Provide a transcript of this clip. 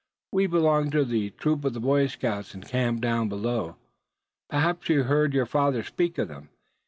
We belong to the troop of Boy Scouts encamped down below. Perhaps you have heard your father speak of them?